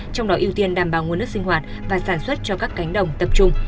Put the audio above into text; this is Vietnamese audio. trong đó ưu tiên đảm bảo nguồn nước sinh hoạt và sản xuất cho các cánh đồng tập trung